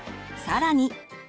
更に。